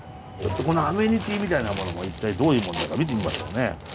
ここのアメニティーみたいなものも一体どういうものだか見てみましょうね。